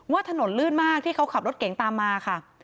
ถนนลื่นมากที่เขาขับรถเก่งตามมาค่ะ